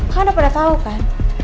kamu udah pada tahu kan